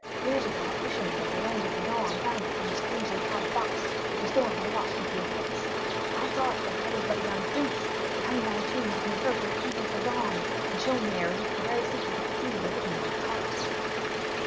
Years ago a fisherman of the Land of the Dawn found it in a strangely carved box which a storm had washed into his nets. I saw it when I was but a young prince; it hung by a chain from the throat of the Princess of the Dawn, and shone there as if the very secret of the sea were hidden in its heart."